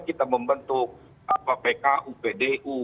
kita membentuk pku pdu